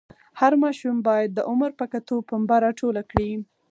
هر ماشوم باید د عمر په کتو پنبه راټوله کړي.